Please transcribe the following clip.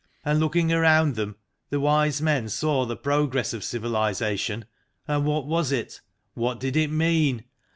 And, looking around them, the wise men saw the progress of civilization, and what was it? What did it mean?